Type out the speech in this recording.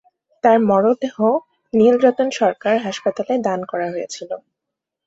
তার মরদেহ নীলরতন সরকার হাসপাতালে দান করা হয়েছিল।